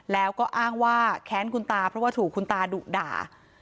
แล้วก็อ้างว่าแค้นคุณตาเพราะว่าถูกคุณตาดุด่า